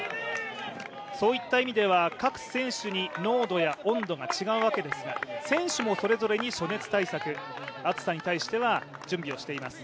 そういった意味では各選手に濃度や温度が違うわけですが選手もそれぞれに暑熱対策、暑さに対しては準備をしています。